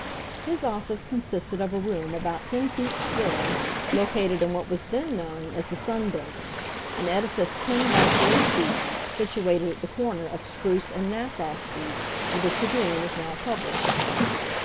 His office consisted of a room about ten feet square, located in what was then known as the Sun building, an edifice ten by forty feet, situated at the corner of Spruce and Nassau streets, where the Tribune is now published.